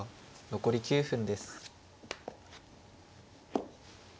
残り９分です。